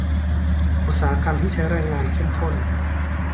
อุตสาหกรรมที่ใช้แรงงานเข้มข้น